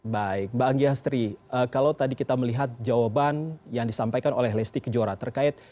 baik mbak anggiastri kalau tadi kita melihat jawaban yang disampaikan oleh lesti kejora terkait